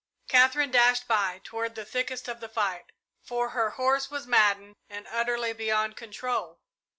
Katherine dashed by, toward the thickest of the fight, for her horse was maddened and utterly beyond control.